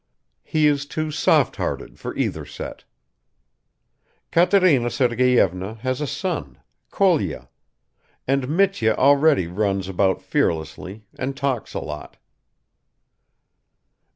He is too softhearted for either set. Katerina Sergeyevna has a son, Kolya, and Mitya already runs about fearlessly, and talks a lot.